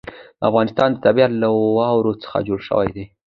د افغانستان طبیعت له واورو څخه جوړ شوی دی.